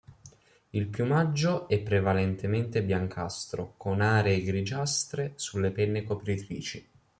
Il piumaggio è prevalentemente biancastro, con aree grigiastre sulle penne copritrici.